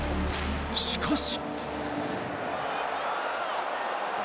しかし。